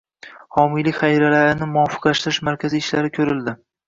Homiylik xayriyalarini muvofiqlashtirish markazi ishlari ko'rildi